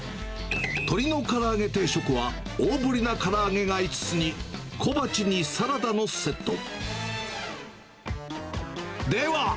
鶏のからあげ定食は、大ぶりなから揚げが５つに、小鉢にサラダのセット。